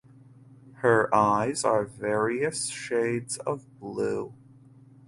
Her eyes are various shades of blue.